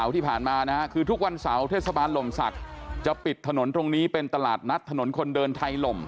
ทุกวันเสาร์เทศบาลหล่มศักดิ์จะปิดถนนตรงนี้เป็นตลาดนัดถนนคนเดินไทยหล่ม